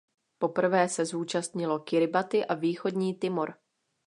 Poprvé se zúčastnilo Kiribati a Východní Timor.